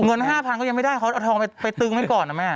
๕๐๐ก็ยังไม่ได้เขาเอาทองไปตึงไว้ก่อนนะแม่